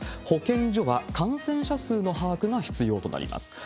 保健所は感染者数の把握が必要となります。